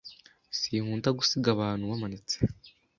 Sinkunda gusiga abantu bamanitse.